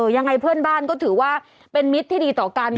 ยังไงเพื่อนบ้านก็ถือว่าเป็นมิตรที่ดีต่อกัน